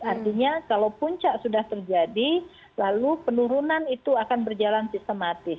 artinya kalau puncak sudah terjadi lalu penurunan itu akan berjalan sistematis